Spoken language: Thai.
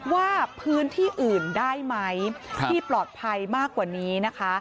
ว่าพื้นที่อื่นได้ไหมที่ปลอดภัยมากกว่านี้นะคะ